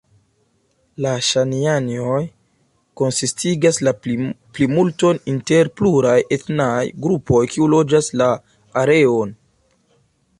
La Ŝanianjoj konsistigas la plimulton inter pluraj etnaj grupoj kiu loĝas la areon.